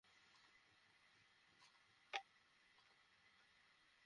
হেই, শোন, সে আমার বাবার বন্ধু।